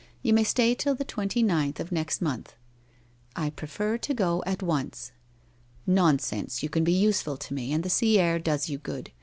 You may stay till the twenty ninth of next month.' * I prefer to go at once.' ' Nonsense, you can be useful to me, and the sea air does you good.